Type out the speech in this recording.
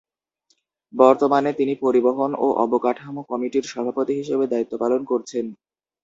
বর্তমানে তিনি পরিবহন ও অবকাঠামো কমিটির সভাপতি হিসেবে দায়িত্ব পালন করছেন।